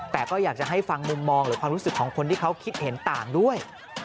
แต่ก็อยากจะให้ฟังมุมมองหรือความรู้สึกของคนที่เขาคิดเห็นต่างด้วย